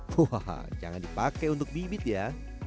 hahaha jangan dipakai untuk bibit ya